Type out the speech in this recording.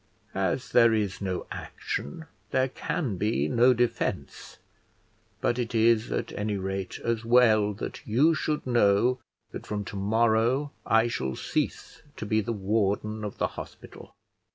As there is no action, there can be no defence; but it is, at any rate, as well that you should know that from to morrow I shall cease to be the warden of the hospital.